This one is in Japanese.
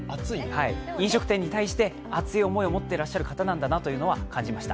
飲食店に対して熱い思いを持っていらっしゃる方なんだなというのは分かりました。